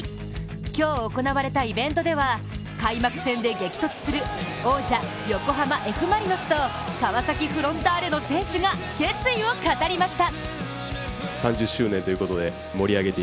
今日行われたイベントでは開幕戦で激突する王者・横浜Ｆ・マリノスと川崎フロンターレの選手が決意を語りました。